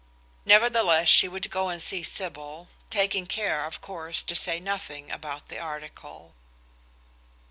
Nevertheless she would go and see Sybil, taking care, of course, to say nothing about the article.